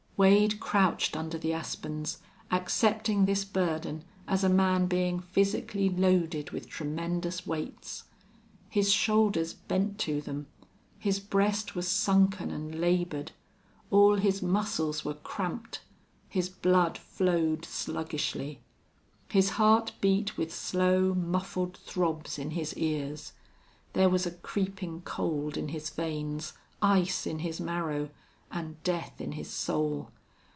Wade crouched under the aspens, accepting this burden as a man being physically loaded with tremendous weights. His shoulders bent to them. His breast was sunken and labored. All his muscles were cramped. His blood flowed sluggishly. His heart beat with slow, muffled throbs in his ears. There was a creeping cold in his veins, ice in his marrow, and death in his soul.